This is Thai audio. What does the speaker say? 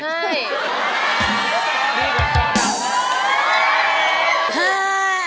ใช่